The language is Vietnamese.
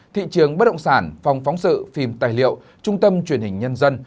thị trường bất động sản phòng phóng sự phim tài liệu trung tâm truyền hình nhân dân